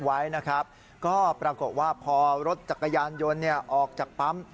ไว้นะครับก็ปรากฏว่าพอรถจักรยานยนต์ออกจากปั๊ม